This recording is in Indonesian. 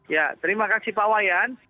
ya terima kasih pak wayan